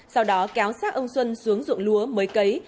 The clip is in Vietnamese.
sau đó kéo xác ông xuân xuống ruộng lúa mới cấy